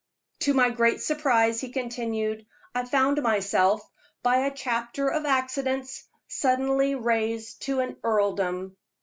"To my great surprise," he continued, "I found myself, by a chapter of accidents, suddenly raised to an earldom.